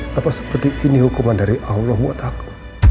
hai apa seperti ini hukuman dari allah buat aku